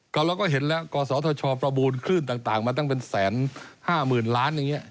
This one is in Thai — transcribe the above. ก็เราก็เห็นแล้วกศประบูรคลื่นต่างมาตั้งเป็นแสนห้าหมื่นล้านอย่างนี้